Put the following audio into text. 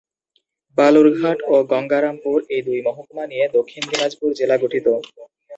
বালুরঘাট ও গঙ্গারামপুর এই দুই মহকুমা নিয়ে দক্ষিণ দিনাজপুর জেলা গঠিত।